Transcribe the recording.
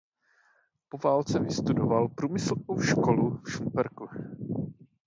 Po válce vystudoval průmyslovou školu v Šumperku.